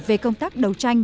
về công tác đấu tranh